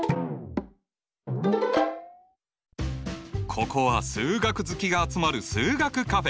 ここは数学好きが集まる数学カフェ。